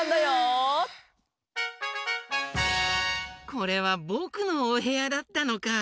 これはぼくのおへやだったのか。